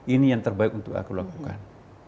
ini yang terbaik untuk aku lakukan